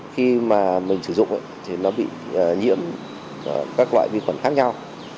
khi mà mình sử dụng thì nó bị nhiễm các loại vi khuẩn khác nhau